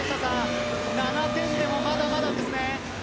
７点でもまだまだですね。